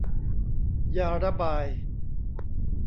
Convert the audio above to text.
ยาระบาย